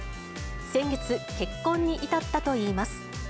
先月、結婚に至ったといいます。